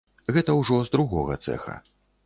Гэта ўжо з другога цэха.